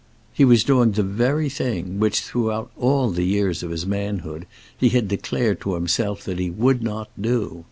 He was doing the very thing which throughout all the years of his manhood he had declared to himself that he would not do.